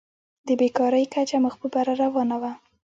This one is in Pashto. د بېکارۍ کچه مخ په بره روانه وه.